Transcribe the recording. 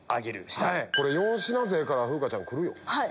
これ４品勢から風花ちゃんくるよ。